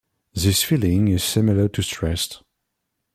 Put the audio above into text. This feeling is similar to stress.